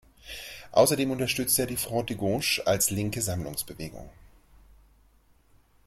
Außerdem unterstützte er die Front de gauche als linke Sammlungsbewegung.